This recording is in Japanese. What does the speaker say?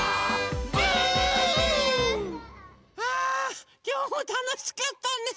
あきょうもたのしかったね！